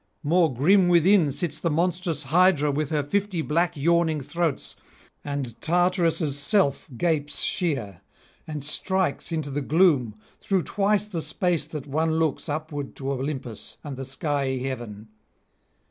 More grim within sits the monstrous Hydra with her fifty black yawning throats: and Tartarus' self gapes sheer and strikes into the gloom through twice the space that one looks upward to Olympus and the skyey heaven.